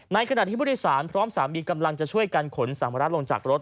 ขณะที่ผู้โดยสารพร้อมสามีกำลังจะช่วยกันขนสามรัฐลงจากรถ